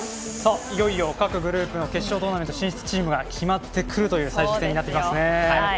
いよいよ各グループの決勝トーナメント進出チームが決まってくるという最終戦になってきますね。